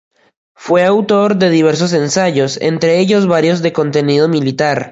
Fue autor de diversos ensayos, entre ellos varios de contenido militar.